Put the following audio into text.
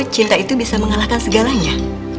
cinta itu bisa mengalahkan segalanya